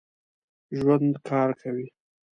ژوندي کار کوي